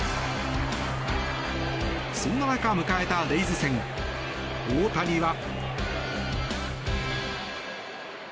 そんな中、迎えたレイズ戦大谷は。